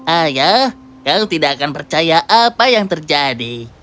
ayah kau tidak akan percaya apa yang terjadi